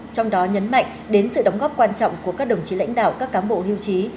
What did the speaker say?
trong đó nhấn mạnh đến sự đóng góp quan trọng của các đồng chí lãnh đạo các cán bộ hiêu chí